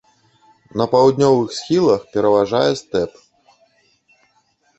На паўднёвых схілах пераважае стэп.